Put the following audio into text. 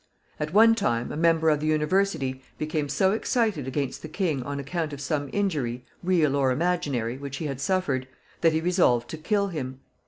At one time a member of the University became so excited against the king on account of some injury, real or imaginary, which he had suffered, that he resolved to kill him.